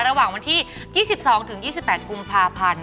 ระหว่างวันที่๒๒๒๘กุมภาพันธ์